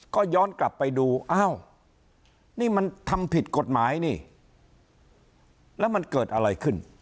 ก็ย้อนกลับไปดูอ้าวนี่มันทำผิดกฎหมายนี่แล้วมันเกิดอะไรขึ้น